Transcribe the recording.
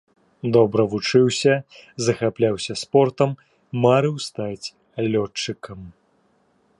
Добра вучыўся, захапляўся спортам, марыў стаць лётчыкам.